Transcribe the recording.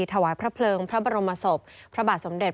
ถวายพระเพลิงพระบรมศพพระบาทสมเด็จ